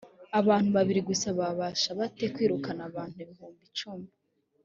abantu babiri gusa babasha bate kwirukana abantu ibihumbi cumi?